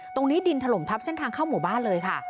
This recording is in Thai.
ตรงนี้ดินถล่มทับเส้นทางเข้าหมู่บ้านเลยค่ะ